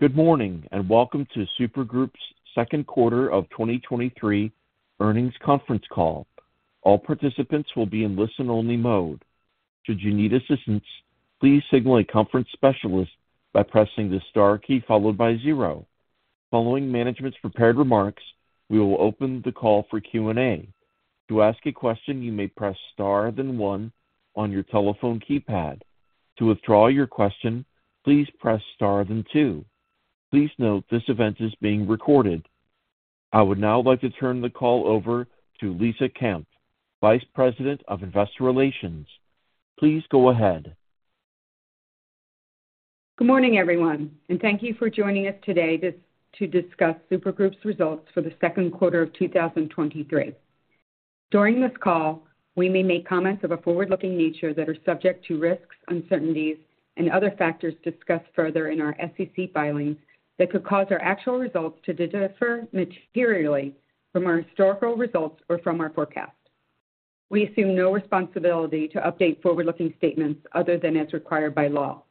Good morning, and welcome to Super Group's second quarter of 2023 earnings conference call. All participants will be in listen-only mode. Should you need assistance, please signal a conference specialist by pressing the star key followed by 0. Following management's prepared remarks, we will open the call for Q&A. To ask a question, you may press Star, then 1 on your telephone keypad. To withdraw your question, please press Star, then 2. Please note, this event is being recorded. I would now like to turn the call over to Lisa Kampf, Vice President of Investor Relations. Please go ahead. Good morning, everyone, and thank you for joining us today to discuss Super Group's results for the second quarter of 2023. During this call, we may make comments of a forward-looking nature that are subject to risks, uncertainties and other factors discussed further in our SEC filings that could cause our actual results to differ materially from our historical results or from our forecast. We assume no responsibility to update forward-looking statements other than as required by law.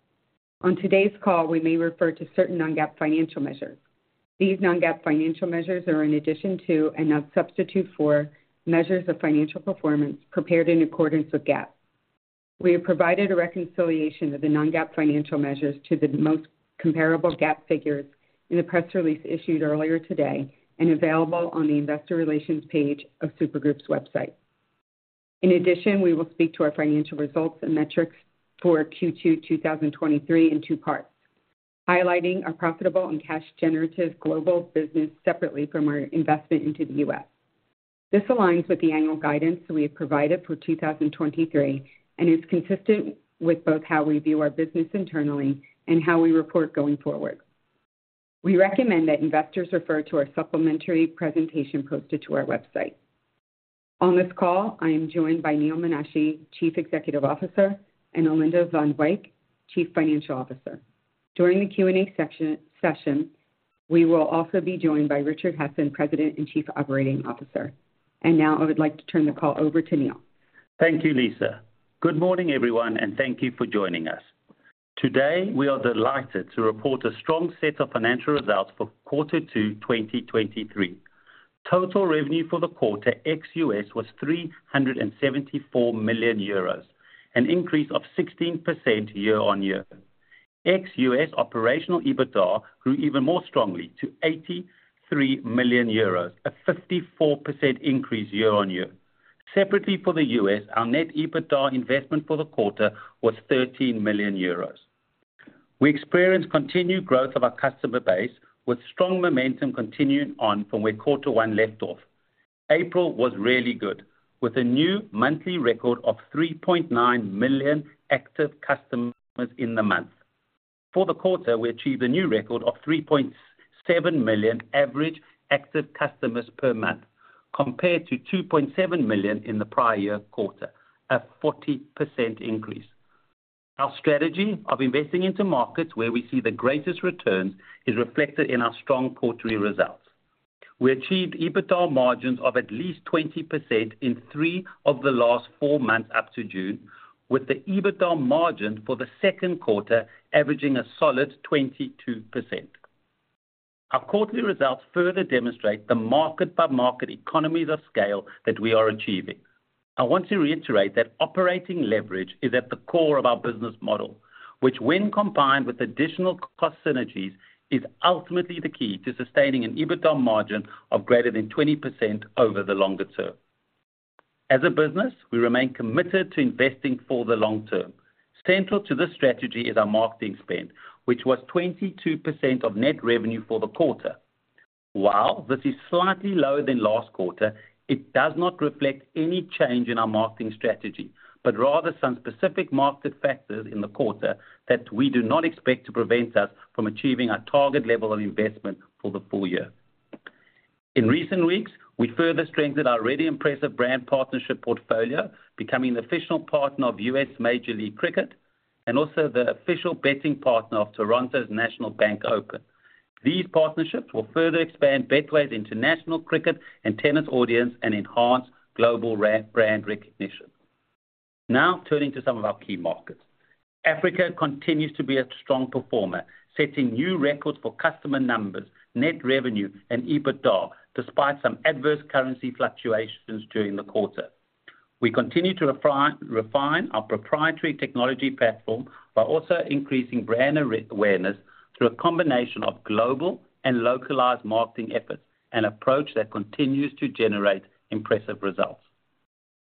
On today's call, we may refer to certain non-GAAP financial measures. These non-GAAP financial measures are in addition to and not substitute for measures of financial performance prepared in accordance with GAAP. We have provided a reconciliation of the non-GAAP financial measures to the most comparable GAAP figures in the press release issued earlier today, and available on the investor relations page of Super Group's website. In addition, we will speak to our financial results and metrics for Q2 2023 in two parts: highlighting our profitable and cash-generative global business separately from our investment into the US. This aligns with the annual guidance we have provided for 2023, and is consistent with both how we view our business internally and how we report going forward. We recommend that investors refer to our supplementary presentation posted to our website. On this call, I am joined by Neal Menashe, Chief Executive Officer, and Alinda van Wyk, Chief Financial Officer. During the Q&A session, we will also be joined by Richard Hasson, President and Chief Operating Officer. Now I would like to turn the call over to Neal. Thank you, Lisa. Good morning, everyone, and thank you for joining us. Today, we are delighted to report a strong set of financial results for quarter two, 2023. Total revenue for the quarter Ex-US was 374 million euros, an increase of 16% year-on-year. Ex-US Operational EBITDA grew even more strongly to 83 million euros, a 54% increase year-on-year. Separately for the US, our net EBITDA investment for the quarter was 13 million euros. We experienced continued growth of our customer base, with strong momentum continuing on from where quarter one left off. April was really good, with a new monthly record of 3.9 million active customers in the month. For the quarter, we achieved a new record of 3.7 million average active customers per month, compared to 2.7 million in the prior year quarter, a 40% increase. Our strategy of investing into markets where we see the greatest returns is reflected in our strong quarterly results. We achieved EBITDA margins of at least 20% in three of the last four months up to June, with the EBITDA margin for the second quarter averaging a solid 22%. Our quarterly results further demonstrate the market-by-market economies of scale that we are achieving. I want to reiterate that operating leverage is at the core of our business model, which when combined with additional cost synergies, is ultimately the key to sustaining an EBITDA margin of greater than 20% over the longer term. As a business, we remain committed to investing for the long term. Central to this strategy is our marketing spend, which was 22% of net revenue for the quarter. While this is slightly lower than last quarter, it does not reflect any change in our marketing strategy, but rather some specific market factors in the quarter that we do not expect to prevent us from achieving our target level of investment for the full year. In recent weeks, we further strengthened our already impressive brand partnership portfolio, becoming the official partner of US Major League Cricket and also the official betting partner of Toronto's National Bank Open. These partnerships will further expand Betway's international cricket and tennis audience and enhance global brand recognition. Now, turning to some of our key markets. Africa continues to be a strong performer, setting new records for customer numbers, net revenue and EBITDA, despite some adverse currency fluctuations during the quarter. We continue to refine our proprietary technology platform while also increasing brand awareness through a combination of global and localized marketing efforts, an approach that continues to generate impressive results.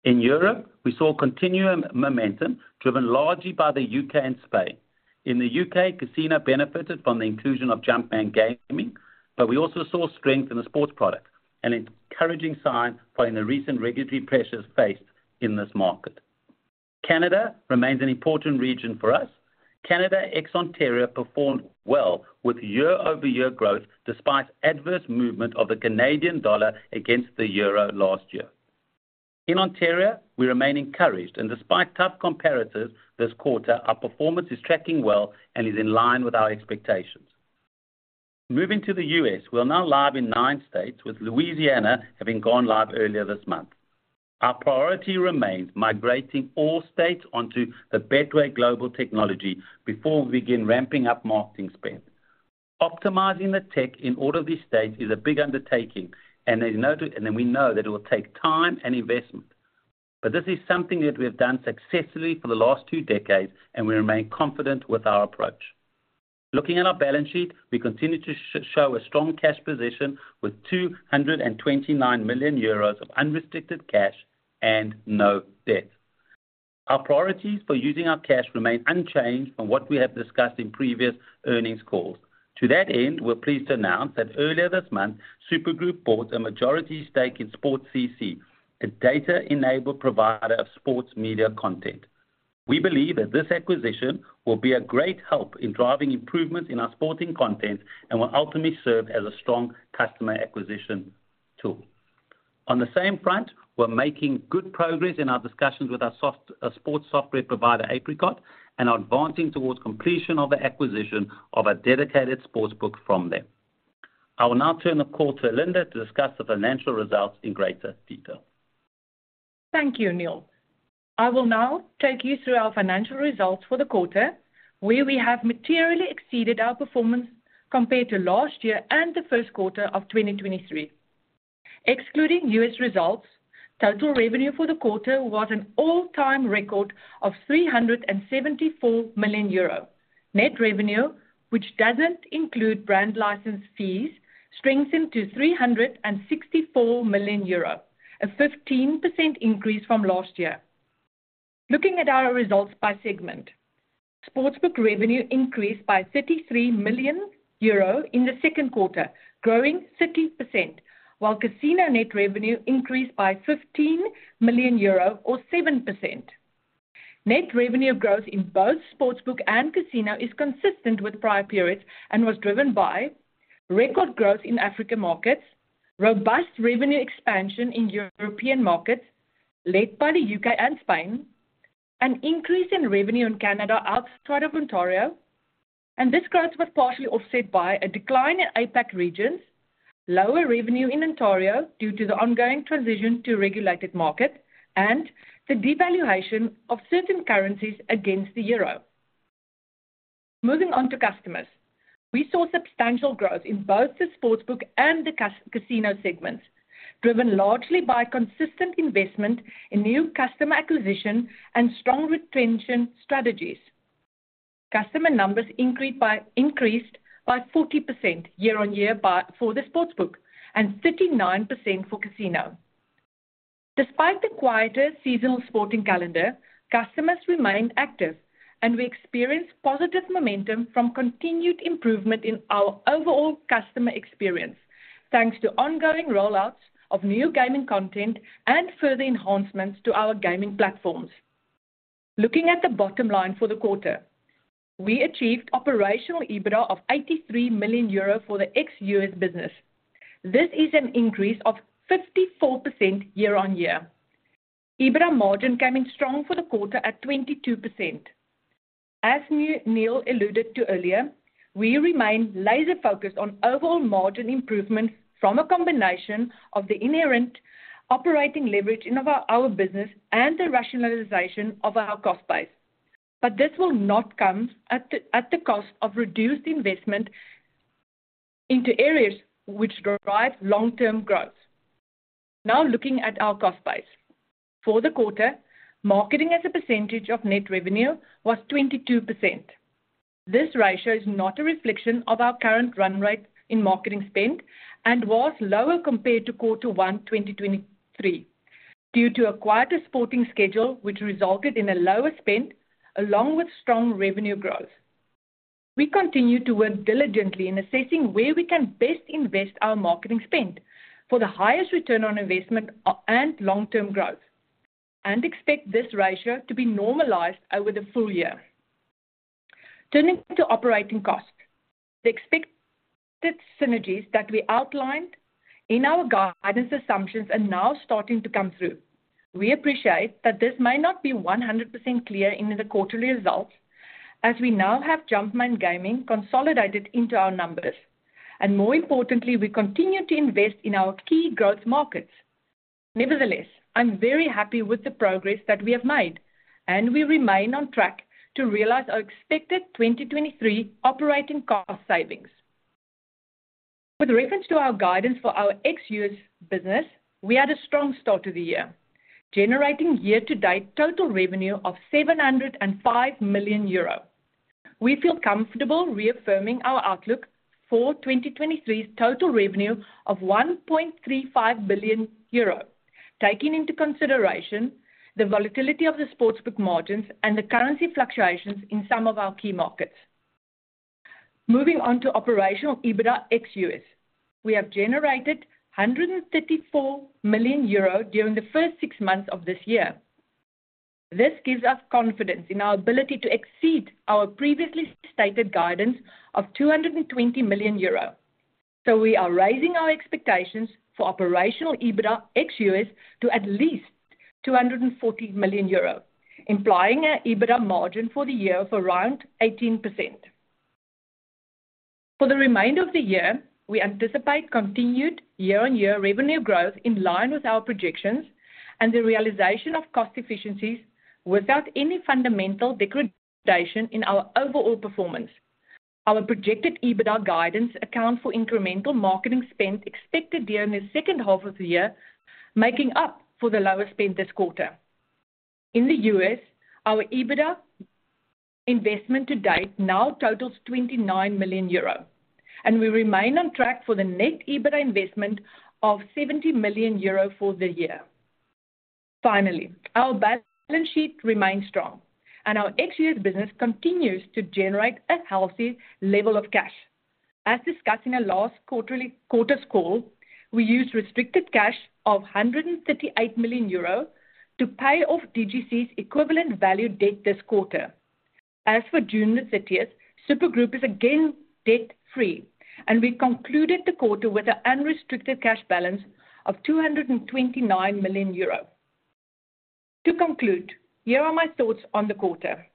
In Europe, we saw continued momentum driven largely by the U.K. and Spain. In the U.K., casino benefited from the inclusion of Jumpman Gaming. We also saw strength in the sports product, an encouraging sign following the recent regulatory pressures faced in this market. Canada remains an important region for us. Canada, ex-Ontario, performed well with year-over-year growth, despite adverse movement of the Canadian dollar against the euro last year. In Ontario, we remain encouraged. Despite tough comparatives this quarter, our performance is tracking well and is in line with our expectations. Moving to the U.S., we are now live in nine states, with Louisiana having gone live earlier this month. Our priority remains migrating all states onto the Betway global technology before we begin ramping up marketing spend. Optimizing the tech in all of these states is a big undertaking, and then we know that it will take time and investment. This is something that we have done successfully for the last two decades, and we remain confident with our approach. Looking at our balance sheet, we continue to show a strong cash position with 229 million euros of unrestricted cash and no debt. Our priorities for using our cash remain unchanged from what we have discussed in previous earnings calls. To that end, we're pleased to announce that earlier this month, Super Group bought a majority stake in Sports.cc, a data-enabled provider of sports media content. We believe that this acquisition will be a great help in driving improvements in our sporting content and will ultimately serve as a strong customer acquisition tool. On the same front, we're making good progress in our discussions with our sports software provider, Apricot, and are advancing towards completion of the acquisition of a dedicated sportsbook from them. I will now turn the call to Linda to discuss the financial results in greater detail. Thank you, Neal. I will now take you through our financial results for the quarter, where we have materially exceeded our performance compared to last year and the first quarter of 2023. Excluding US results, total revenue for the quarter was an all-time record of 374 million euro. Net revenue, which doesn't include Brand License Fees, strengthened to 364 million euro, a 15% increase from last year. Looking at our results by segment. Sportsbook revenue increased by 33 million euro in the second quarter, growing 30%, while casino net revenue increased by 15 million euro or 7%. Net revenue growth in both sportsbook and casino is consistent with prior periods and was driven by record growth in African markets, robust revenue expansion in European markets, led by the UK and Spain, an increase in revenue in Canada outside of Ontario. This growth was partially offset by a decline in APAC regions, lower revenue in Ontario due to the ongoing transition to regulated market, and the devaluation of certain currencies against the euro. Moving on to customers. We saw substantial growth in both the sportsbook and the casino segments, driven largely by consistent investment in new customer acquisition and strong retention strategies. Customer numbers increased by 40% year-over-year for the sportsbook, and 39% for casino. Despite the quieter seasonal sporting calendar, customers remained active, and we experienced positive momentum from continued improvement in our overall customer experience, thanks to ongoing rollouts of new gaming content and further enhancements to our gaming platforms. Looking at the bottom line for the quarter, we achieved Operational EBITDA of 83 million euro for the ex-U.S. business. This is an increase of 54% year-on-year. EBITDA margin came in strong for the quarter at 22%. As Neal alluded to earlier, we remain laser-focused on overall margin improvements from a combination of the inherent operating leverage in our business and the rationalization of our cost base. This will not come at the cost of reduced investment into areas which drive long-term growth. Looking at our cost base. For the quarter, marketing as a percentage of net revenue was 22%. This ratio is not a reflection of our current run rate in marketing spend and was lower compared to Q1 2023, due to a quieter sporting schedule, which resulted in a lower spend along with strong net revenue growth. We continue to work diligently in assessing where we can best invest our marketing spend for the highest ROI and long-term growth, and expect this ratio to be normalized over the full year. Turning to operating costs. The expected synergies that we outlined in our guidance assumptions are now starting to come through. We appreciate that this may not be 100% clear in the quarterly results, as we now have Jumpman Gaming consolidated into our numbers, and more importantly, we continue to invest in our key growth markets. Nevertheless, I'm very happy with the progress that we have made, and we remain on track to realize our expected 2023 operating cost savings. With reference to our guidance for our ex-US business, we had a strong start to the year, generating year-to-date total revenue of 705 million euro. We feel comfortable reaffirming our outlook for 2023's total revenue of 1.35 billion euro, taking into consideration the volatility of the sportsbook margins and the currency fluctuations in some of our key markets. Moving on to operational EBITDA ex-US. We have generated 134 million euro during the first six months of this year. This gives us confidence in our ability to exceed our previously stated guidance of 220 million euro. We are raising our expectations for Operational EBITDA ex-U.S. to at least 240 million euro, implying an EBITDA margin for the year of around 18%. For the remainder of the year, we anticipate continued year-on-year revenue growth in line with our projections and the realization of cost efficiencies without any fundamental degradation in our overall performance. Our projected EBITDA guidance accounts for incremental marketing spend expected during the second half of the year, making up for the lower spend this quarter. In the U.S., our EBITDA investment to date now totals 29 million euro, and we remain on track for the net EBITDA investment of 70 million euro for the year. Finally, our balance sheet remains strong, and our ex-US business continues to generate a healthy level of cash. As discussed in our last quarter's call, we used restricted cash of 138 million euro to pay off DGC's equivalent value debt this quarter. As for June 30, Super Group is again debt-free, and we concluded the quarter with an unrestricted cash balance of 229 million euro. To conclude, here are my thoughts on the quarter.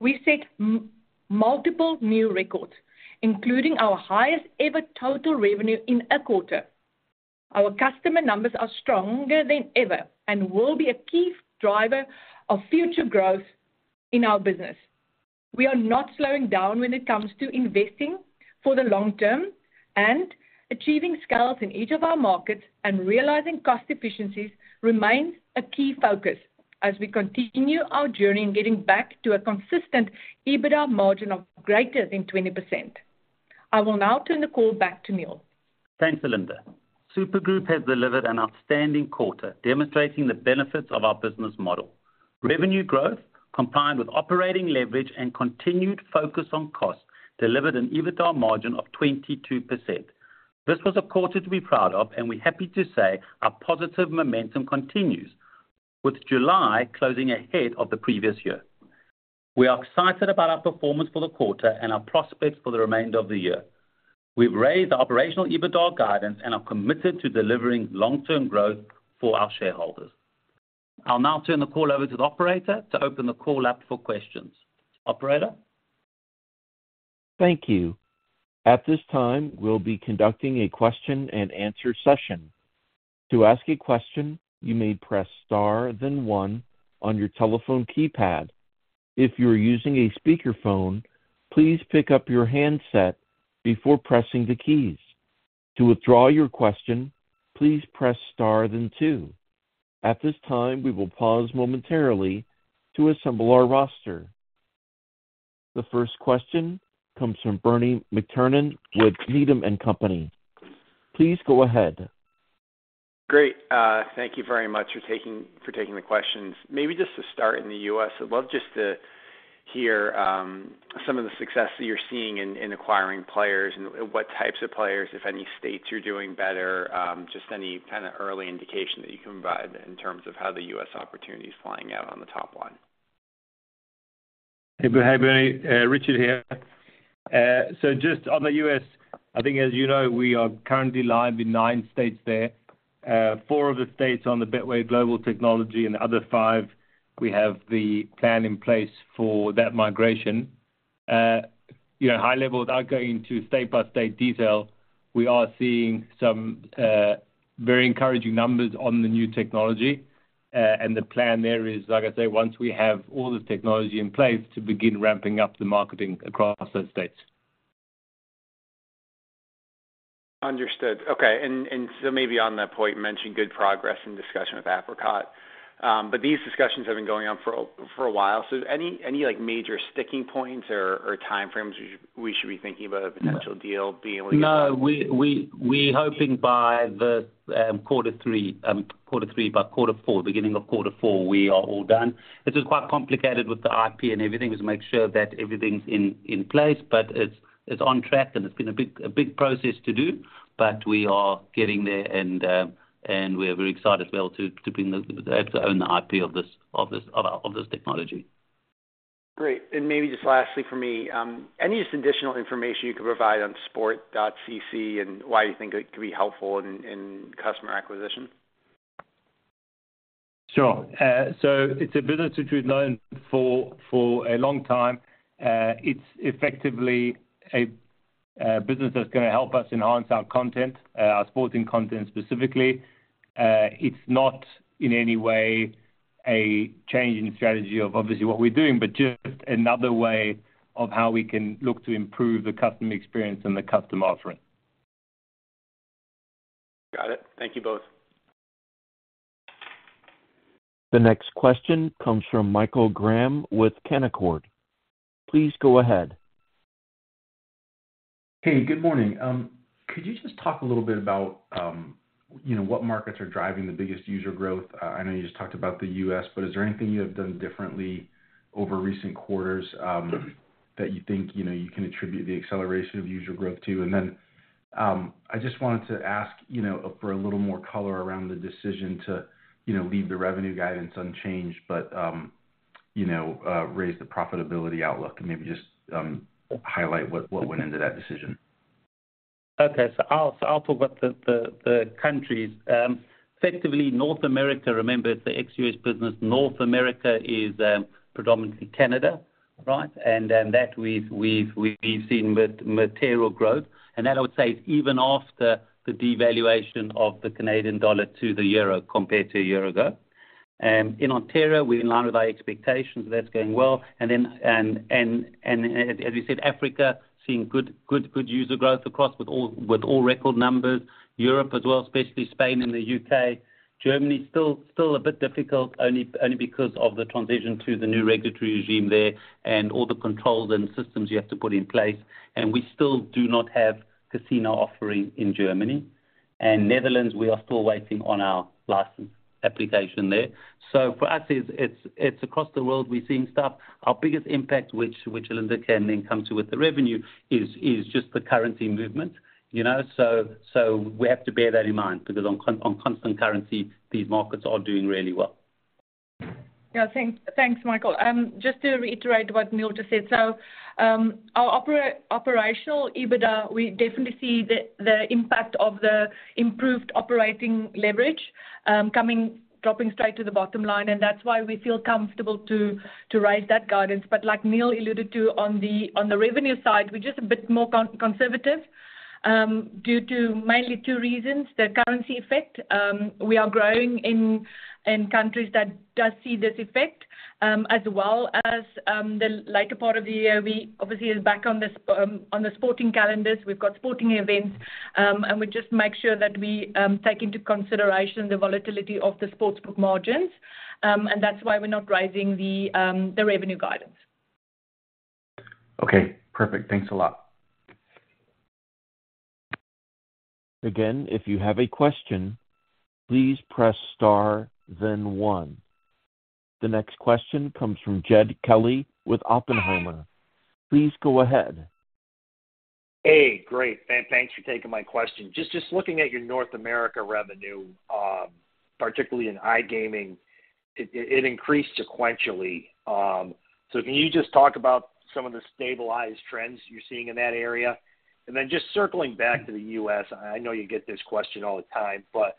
We set multiple new records, including our highest ever total revenue in a quarter. Our customer numbers are stronger than ever and will be a key driver of future growth in our business. We are not slowing down when it comes to investing for the long term and achieving scales in each of our markets and realizing cost efficiencies remains a key focus as we continue our journey in getting back to a consistent EBITDA margin of greater than 20%. I will now turn the call back to Neil. Thanks, Linda. Super Group has delivered an outstanding quarter, demonstrating the benefits of our business model. Revenue growth, combined with operating leverage and continued focus on cost, delivered an EBITDA margin of 22%. This was a quarter to be proud of, and we're happy to say our positive momentum continues, with July closing ahead of the previous year. We are excited about our performance for the quarter and our prospects for the remainder of the year. We've raised the operational EBITDA guidance and are committed to delivering long-term growth for our shareholders. I'll now turn the call over to the operator to open the call up for questions. Operator? Thank you. At this time, we'll be conducting a question and answer session. To ask a question, you may press Star, then 1 on your telephone keypad. If you are using a speakerphone, please pick up your handset before pressing the keys. To withdraw your question, please press Star then 2. At this time, we will pause momentarily to assemble our roster. The first question comes from Bernie McTernan with Needham & Company. Please go ahead. Great, thank you very much for taking, for taking the questions. Maybe just to start in the U.S., I'd love just to hear, some of the success that you're seeing in, in acquiring players and what types of players, if any states you're doing better, just any kind of early indication that you can provide in terms of how the U.S. opportunity is flying out on the top line. Hey, hi, Bernie, Richard here. Just on the U.S., I think, as you know, we are currently live in 9 states there. 4 of the states on the Betway global technology and the other 5, we have the plan in place for that migration. High level, without going into state-by-state detail, we are seeing some very encouraging numbers on the new technology. The plan there is, like I say, once we have all the technology in place, to begin ramping up the marketing across those states. Understood. Okay, maybe on that point, you mentioned good progress in discussion with Apricot. These discussions have been going on for a while. Any, like, major sticking points or time frames we should be thinking about a potential deal being able to- No, we're hoping by Q3 by Q4, beginning of Q4, we are all done. This is quite complicated with the IP and everything, just make sure that everything's in, in place. It's, it's on track and it's been a big, a big process to do. We are getting there and we are very excited as well to, to bring the, to own the IP of this technology. Great. Maybe just lastly for me, any additional information you can provide on Sports.cc and why you think it could be helpful in, in customer acquisition? Sure. It's a business which we've known for, for a long time. It's effectively a business that's gonna help us enhance our content, our sporting content specifically. It's not in any way a change in strategy of obviously what we're doing, but just another way of how we can look to improve the customer experience and the customer offering. Got it. Thank you both. The next question comes from Michael Graham with Canaccord. Please go ahead. Hey, good morning. Could you just talk a little bit about, you know, what markets are driving the biggest user growth? I know you just talked about the US, is there anything you have done differently over recent quarters that you think, you know, you can attribute the acceleration of user growth to? I just wanted to ask, you know, for a little more color around the decision to, you know, leave the revenue guidance unchanged, raise the profitability outlook and maybe just highlight what, what went into that decision. I'll talk about the countries. Effectively, North America, remember, it's the ex-U.S. business. North America is predominantly Canada, right? Then that we've seen with material growth. That, I would say, is even after the devaluation of the Canadian dollar to the euro compared to a year ago. In Ontario, we're in line with our expectations. That's going well. Then, as we said, Africa, seeing good user growth across with all record numbers. Europe as well, especially Spain and the U.K. Germany, still a bit difficult, only because of the transition to the new regulatory regime there, and all the controls and systems you have to put in place. We still do not have casino offering in Germany. Netherlands, we are still waiting on our license application there. For us, it's, it's, it's across the world, we're seeing stuff. Our biggest impact, which, which Linda can then come to with the revenue, is, is just the currency movement, you know? We have to bear that in mind, because on constant currency, these markets are doing really well. Yeah, thanks. Thanks, Michael. Just to reiterate what Neil just said. Our operational EBITDA, we definitely see the impact of the improved operating leverage, dropping straight to the bottom line, and that's why we feel comfortable to raise that guidance. Like Neil alluded to on the revenue side, we're just a bit more conservative, due to mainly two reasons: the currency effect. We are growing in countries that does see this effect, as well as, the later part of the year, we obviously is back on the sporting calendars. We've got sporting events, and we just make sure that we, take into consideration the volatility of the Sportsbook margins, and that's why we're not raising the revenue guidance. Okay, perfect. Thanks a lot. Again, if you have a question, please press star, then 1. The next question comes from Jed Kelly with Oppenheimer. Please go ahead. Hey, great, than-thanks for taking my question. Just, just looking at your North America revenue, particularly in iGaming, it, it increased sequentially. Can you just talk about some of the stabilized trends you're seeing in that area? Then just circling back to the US, I know you get this question all the time, but,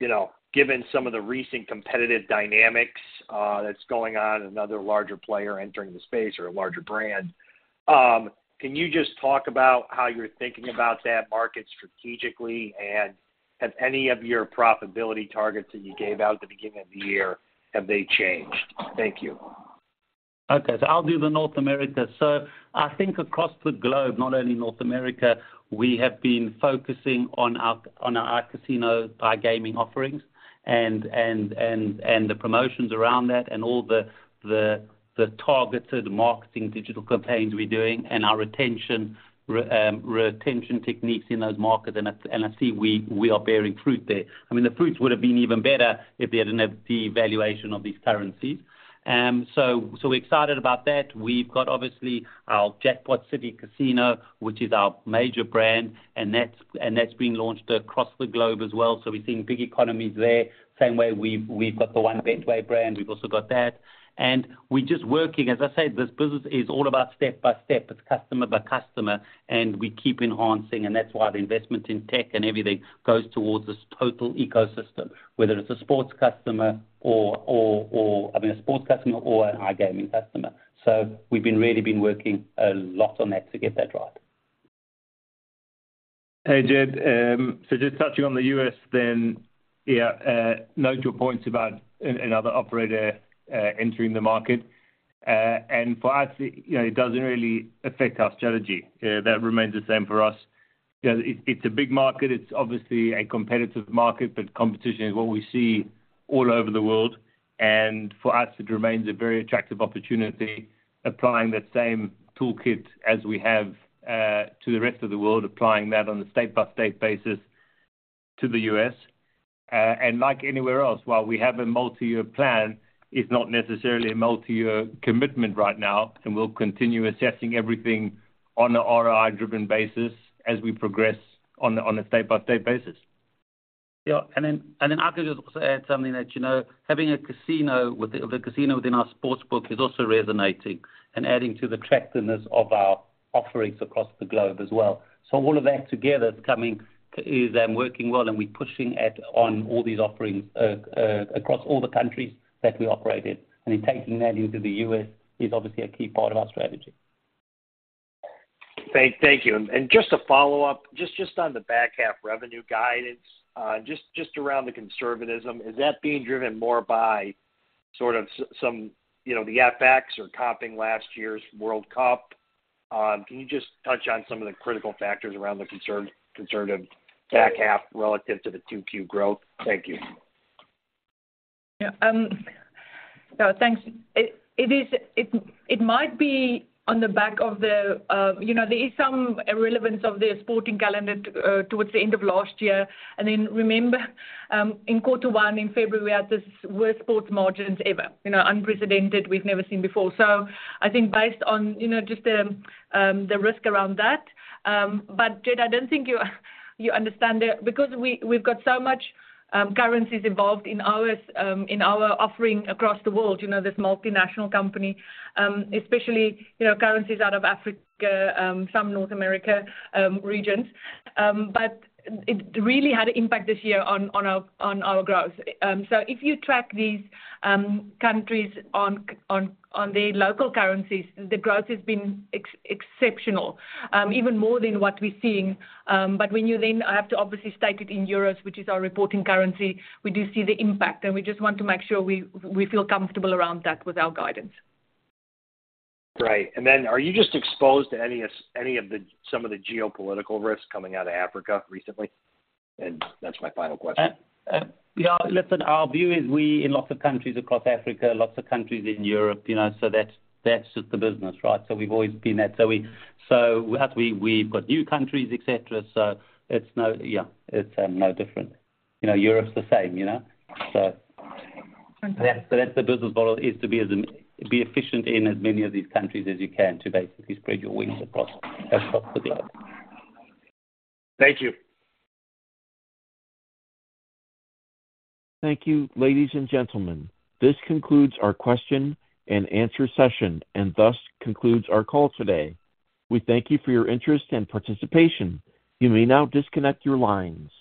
you know, given some of the recent competitive dynamics, that's going on, another larger player entering the space or a larger brand, can you just talk about how you're thinking about that market strategically? Have any of your profitability targets that you gave out at the beginning of the year, have they changed? Thank you. Okay, I'll do the North America. I think across the globe, not only North America, we have been focusing on our casino, iGaming offerings, and the promotions around that, and all the targeted marketing digital campaigns we're doing, and our retention techniques in those markets, and I see we are bearing fruit there. I mean, the fruits would have been even better if we hadn't had the devaluation of these currencies. We're excited about that. We've got, obviously, our Jackpot City Casino, which is our major brand, and that's being launched across the globe as well. We're seeing big economies there. Same way we've got the One Betway brand. We've also got that. We're just working. As I said, this business is all about step by step. It's customer by customer, and we keep enhancing, and that's why the investment in tech and everything goes towards this total ecosystem, whether it's a sports customer or, I mean, a sports customer or an iGaming customer. We've been really been working a lot on that to get that right. Hey, Jed, just touching on the US. Note your points about another operator entering the market. For us, you know, it doesn't really affect our strategy. That remains the same for us. You know, it's a big market. It's obviously a competitive market, but competition is what we see all over the world, and for us, it remains a very attractive opportunity, applying that same toolkit as we have to the rest of the world, applying that on a state-by-state basis to the US. Like anywhere else, while we have a multi-year plan, it's not necessarily a multi-year commitment right now, and we'll continue assessing everything on an ROI-driven basis as we progress on a state-by-state basis. Yeah, and then, and then I could just also add something that, you know, having a casino, the casino within our Sportsbook is also resonating and adding to the attractiveness of our offerings across the globe as well. All of that together is coming, working well, and we're pushing at, on all these offerings across all the countries that we operate in. In taking that into the US is obviously a key part of our strategy. Thank, thank you. Just to follow up, just, just on the back half revenue guidance, just, just around the conservatism, is that being driven more by sort of some, you know, the APACs or topping last year's World Cup? Can you just touch on some of the critical factors around the conservative, conservative back half relative to the 2Q growth? Thank you. Yeah, thanks. It might be on the back of the, you know, there is some relevance of the sporting calendar, towards the end of last year. Then remember, in quarter one, in February, we had the worst sports margins ever, you know, unprecedented, we've never seen before. I think based on, you know, just the, the risk around that, but, Jed, I don't think you, you understand it. We, we've got so much, currencies involved in our, in our offering across the world, you know, this multinational company, especially, you know, currencies out of Africa, some North America, regions. It really had an impact this year on, on our, on our growth. If you track these countries on the local currencies, the growth has been exceptional, even more than what we're seeing. I have to obviously state it in euro, which is our reporting currency, we do see the impact, and we just want to make sure we feel comfortable around that with our guidance. Right. Then, are you just exposed to any of, any of the, some of the geopolitical risks coming out of Africa recently? That's my final question. Yeah, listen, our view is we in lots of countries across Africa, lots of countries in Europe, you know, so that's just the business, right? We've always been there. We, we, we've got new countries, et cetera, so it's no, yeah, it's no different. You know, Europe's the same, you know? Thank you. That's the business model, is to be efficient in as many of these countries as you can, to basically spread your wings across the globe. Thank you. Thank you, ladies and gentlemen. This concludes our question and answer session, and thus concludes our call today. We thank you for your interest and participation. You may now disconnect your lines.